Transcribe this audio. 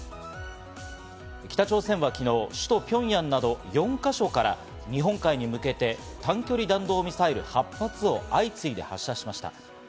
北朝鮮は昨日、首都ピョンヤンなど４か所から日本海に向けて、短距離弾道ミサイル８発を相次いで発射しました。